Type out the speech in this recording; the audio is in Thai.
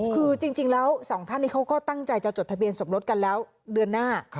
คือจริงแล้วสองท่านนี้เขาก็ตั้งใจจะจดทะเบียนสมรสกันแล้วเดือนหน้า